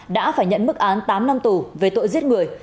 đã phải nhận mức án tám năm tù về tội giết người